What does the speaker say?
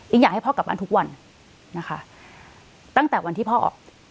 อยากให้พ่อกลับบ้านทุกวันนะคะตั้งแต่วันที่พ่อออก